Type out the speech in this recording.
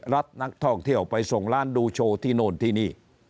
รับนักท่องเที่ยวไปส่งร้านดูโชว์ที่โน่นที่นี่